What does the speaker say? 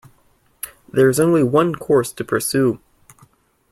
There is only one course to pursue.